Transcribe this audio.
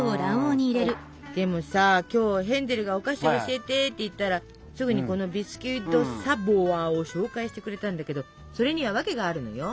でもさ今日ヘンゼルがお菓子教えてって言ったらすぐにこのビスキュイ・ド・サヴォワを紹介してくれたんだけどそれにはワケがあるのよ。